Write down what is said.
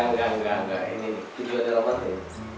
enggak enggak enggak